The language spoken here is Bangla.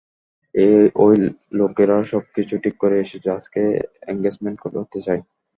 এই লোকেরা সবকিছু ঠিক করে এসেছে, আজই এন্গেজমেন্ট করাতে চায়!